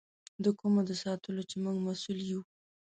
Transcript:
د کومو د ساتلو چې موږ مسؤل یو.